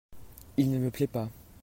Il ne me plait pas.